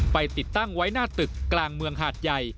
ติดตั้งไว้หน้าตึกกลางเมืองหาดใหญ่